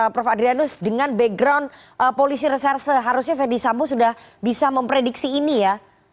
prof adrianus dengan background polisi reserse harusnya verdi sambo sudah bisa memprediksi ini ya